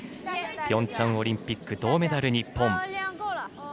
ピョンチャンオリンピック銅メダルの日本。